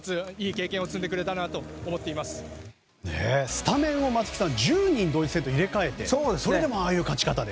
スタメンを松木さん１０人、ドイツ戦と入れ替えてそれでもああいう勝ち方で。